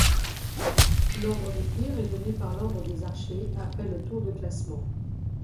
L'ordre de tir est donné par l'ordre des archers après le tour de classement.